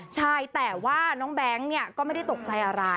ใช่แต่ว่าน้องแบงค์ก็ไม่ได้ตกใจอะไร